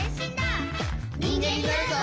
「にんげんになるぞ！」